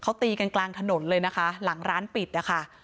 เขาตีกันกลางถนนเลยนะคะหลังร้านปิดนะคะ